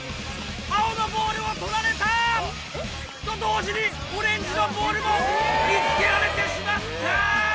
青のボールを取られた！と同時にオレンジのボールも見つけられてしまった！